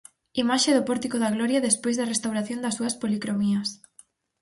Imaxe do Pórtico da Gloria despois da restauración das súas policromías.